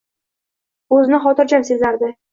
O`zini xotirjam sezardi